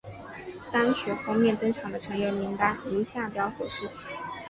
单曲封面登场的成员名单如下表所示。